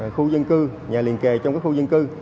khu dân cư nhà liền kề trong các khu dân cư